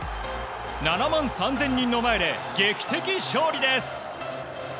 ７万３０００人の前で劇的勝利です。